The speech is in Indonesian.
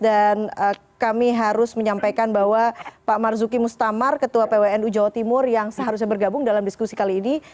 dan kami harus menyampaikan bahwa pak marzuki mustamar ketua pwn ujt yang seharusnya bergabung dalam diskusi kali ini